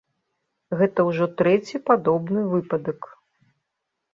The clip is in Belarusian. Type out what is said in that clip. Гэта ўжо трэці падобны выпадак.